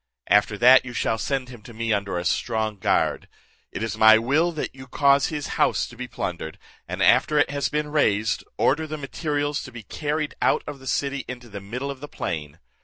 After that you shall send him to me under a strong guard. It is my will that you cause his house to be plundered; and after it has been razed, order the materials to be carried out of the city into the middle of the plain.